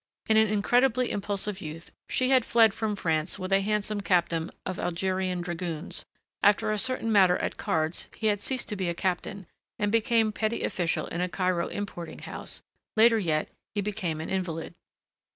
In an incredibly impulsive youth she had fled from France with a handsome captain of Algerian dragoons; after a certain matter at cards he had ceased to be a captain and became petty official in a Cairo importing house; later yet, he became an invalid.